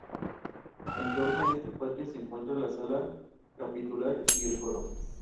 En torno a este patio se encuentra la sala capitular y el coro.